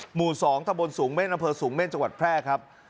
หมู่สองทะบลสูงเม่นทศูงเม่นจังหวัดแพร่ครับ